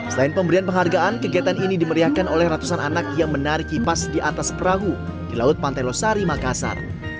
selain pemberian penghargaan kegiatan ini dimeriahkan oleh ratusan anak yang menarik kipas di atas perahu di laut pantai losari makassar